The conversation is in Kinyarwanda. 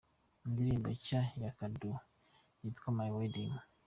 Indirimbo nshya ya Koudou yitwa My Wedding:.